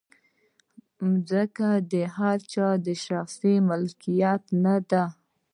مځکه د چا د شخصي ملکیت نه ده.